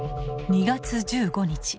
２月１５日